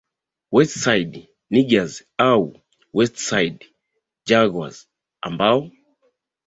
West Side Niggaz au West Side Junglers ambao